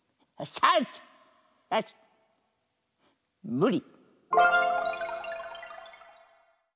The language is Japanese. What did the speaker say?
むり。